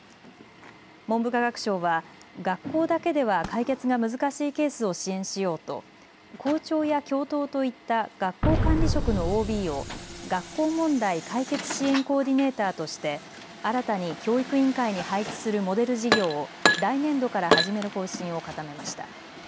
文部科学省は学校だけでは解決が難しいケースを支援しようと校長や教頭といった学校管理職のＯＢを学校問題解決支援コーディネーターとして新たに教育委員会に配置するモデル事業を来年度から始める方針を固めました。